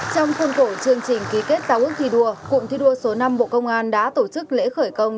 trong khuôn cổ chương trình ký kết giao ước thi đua cụm thi đua số năm bộ công an đã tổ chức lễ khởi công